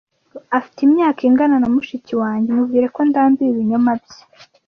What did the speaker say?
Afite imyaka ingana na mushiki wanjye. Mubwire ko ndambiwe ibinyoma bye.